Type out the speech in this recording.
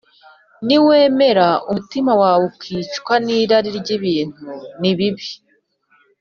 Niwemera umutima wawe ukicwa n’irari ry’ibintu, nibibi